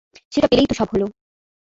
সেটা পেলেই তো সব হল।